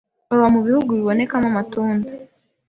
baba mu bihugu bibonekamo amatunda,